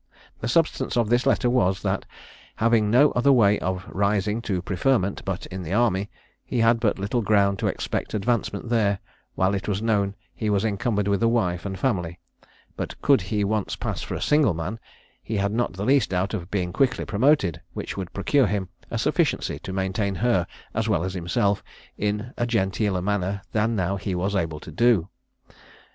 The substance of this letter was, that, having no other way of rising to preferment but in the army, he had but little ground to expect advancement there, while it was known he was encumbered with a wife and family; but could he once pass for a single man, he had not the least doubt of being quickly promoted, which would procure him a sufficiency to maintain her as well as himself in a genteeler manner than now he was able to do.